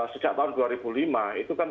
sejak tahun dua ribu lima itu kan